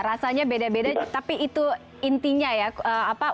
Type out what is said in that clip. rasanya beda beda tapi itu intinya ya